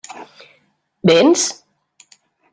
Véns?